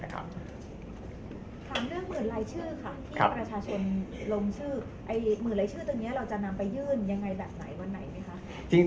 ถามเรื่องหมื่นรายชื่อค่ะที่ประชาชนลงชื่อหมื่นรายชื่อตรงนี้เราจะนำไปยื่นยังไงแบบไหนวันไหนไหมคะ